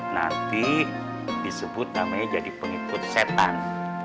nanti disebut namanya jadi pengikut setan